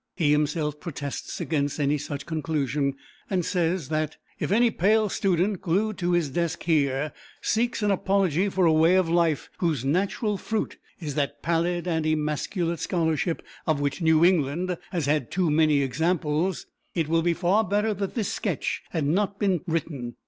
He himself protests against any such conclusion, and says that "if any pale student glued to his desk here seek an apology for a way of life whose natural fruit is that pallid and emasculate scholarship, of which New England has had too many examples, it will be far better that this sketch had not been written.